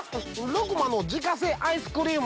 ルクマの自家製アイスクリーム。